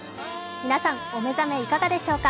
皆さん、お目覚めいかがでしょうか。